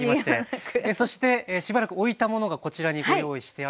そしてしばらく置いたものがこちらにご用意してあります。